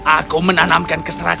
aku menanamkan keseluruhan